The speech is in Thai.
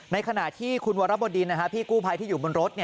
ในขณะที่คุณวรบดินพี่กู้ภัยที่อยู่บนรถ